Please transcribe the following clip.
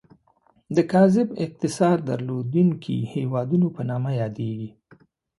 د کاذب اقتصاد درلودونکي هیوادونو په نوم یادیږي.